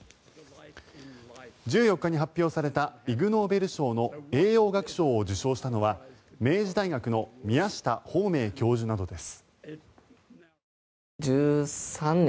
１４日に発表されたイグノーベル賞の栄養学賞を受賞したのは明治大学の宮下芳明教授などです。